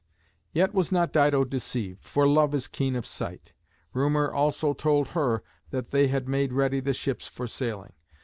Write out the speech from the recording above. Yet was not Dido deceived, for love is keen of sight. Rumour also told her that they made ready the ships for sailing.